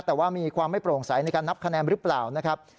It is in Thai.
แต่ว่ามีความไม่โปร่งใสในการนับคะแนนหรือเปล่านะครับ